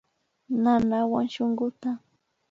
Nanawan shunkuta